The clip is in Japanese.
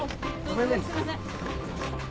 すいません。